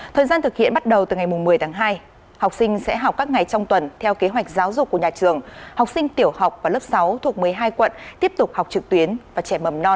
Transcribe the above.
thời gian thực hiện bắt đầu từ ngày một mươi tháng hai học sinh sẽ học các ngày trong tuần theo kế hoạch giáo dục của nhà trường học sinh tiểu học và lớp sáu thuộc một mươi hai quận tiếp tục học trực tuyến và trẻ mầm non